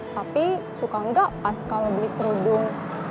tapi suka nggak pas kalau beli kerudung